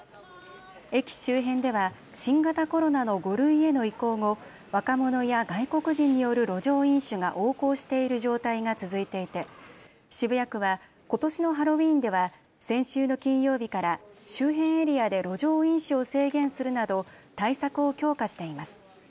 駅周辺では新型コロナの５類への移行後、若者や外国人による路上飲酒が横行している状態が続いていて渋谷区はことしのハロウィーンでは先週の金曜日から周辺エリアで路上飲酒を制限するなど対策を強化しています。